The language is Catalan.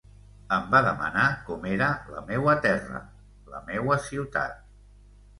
Em va demanar com era la meua terra, la meua ciutat.